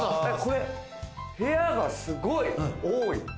部屋がすごい多い。